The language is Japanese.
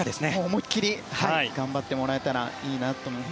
思いっきり頑張ってもらえたらいいなと思います。